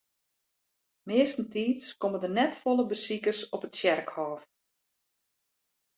Meastentiids komme der net folle besikers op it tsjerkhôf.